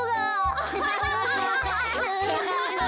アハハハハ！